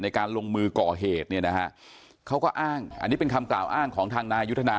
การลงมือก่อเหตุเนี่ยนะฮะเขาก็อ้างอันนี้เป็นคำกล่าวอ้างของทางนายุทธนา